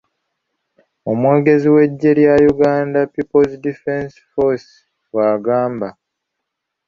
Omwogezi w'Eggye lya Uganda People's Defence Force bw'agamba.